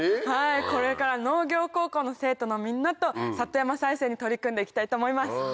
これから農業高校の生徒のみんなと里山再生に取り組んでいきたいと思います。